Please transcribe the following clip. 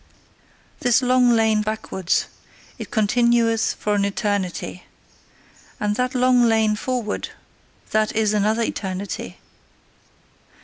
This long lane backwards: it continueth for an eternity. And that long lane forward that is another eternity.